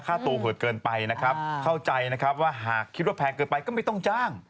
ค่าตัวเหิดเกินไปนะครับเข้าใจนะครับว่าหากคิดว่าแพงเกินไปก็ไม่ต้องจ้าง